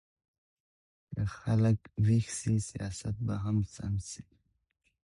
که خلګ ويښ سي سياست به هم سم سي.